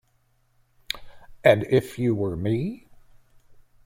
And if you were me?